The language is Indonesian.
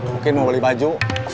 mungkin mau beli baju